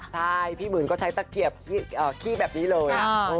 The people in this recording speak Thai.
ใช่พี่หมื่นก็ใช้ตะเกียบขี้แบบนี้เลย